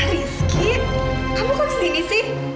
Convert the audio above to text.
rizky kamu kesini sih